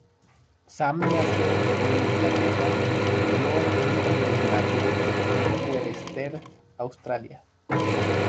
Sam nació en Inglaterra y se crio en Fremantle, Western Australia.